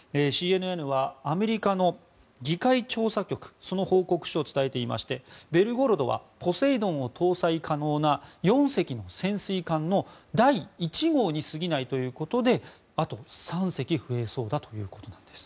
ＣＮＮはアメリカの議会調査局の報告書を伝えていまして「ベルゴロド」はポセイドンを搭載可能な４隻の潜水艦の第１号に過ぎないということであと３隻増えそうだということです。